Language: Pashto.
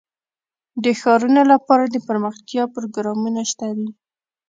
د ښارونو لپاره دپرمختیا پروګرامونه شته دي.